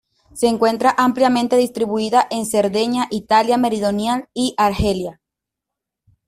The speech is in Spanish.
Se encuentra ampliamente distribuida en Cerdeña, Italia meridional, y Argelia.